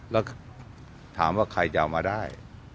แล้วถามว่าใครจะเอามาได้